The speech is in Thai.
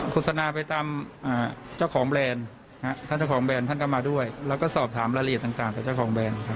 สนาไปตามเจ้าของแบรนด์ท่านเจ้าของแบรนด์ท่านก็มาด้วยแล้วก็สอบถามรายละเอียดต่างกับเจ้าของแบรนด์ครับ